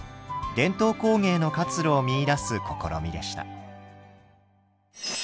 伝統工芸の活路を見いだす試みでした。